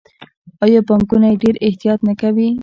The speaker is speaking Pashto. آیا بانکونه یې ډیر احتیاط نه کوي؟